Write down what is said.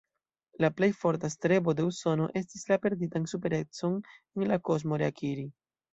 La plej forta strebo de Usono estis, la perditan superecon en la kosmo reakiri.